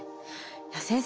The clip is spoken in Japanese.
先生